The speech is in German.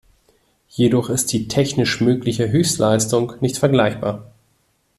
Jedoch ist die technisch mögliche Höchstleistung nicht vergleichbar.